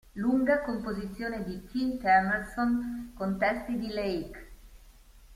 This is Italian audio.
Lunga composizione di Keith Emerson con testi di Lake.